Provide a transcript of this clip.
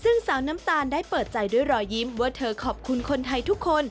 ซึ่งสาวน้ำตาลได้เปิดใจด้วยรอยยิ้มว่าเธอขอบคุณคนไทยทุกคน